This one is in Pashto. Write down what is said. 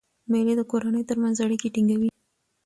مېلې د کورنۍ ترمنځ اړیکي ټینګوي.